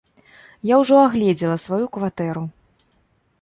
Я ўжо агледзела сваю кватэру.